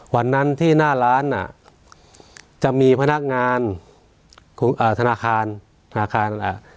วันนั้นที่หน้าร้านอ่ะจะมีพนักงานของอ่าธนาคารธนาคารอ่า